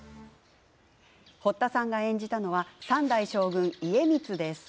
堀田さんが演じたのは３代将軍、家光です。